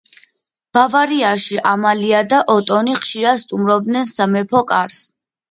ბავარიაში ამალია და ოტონი ხშირად სტუმრობდნენ სამეფო კარს.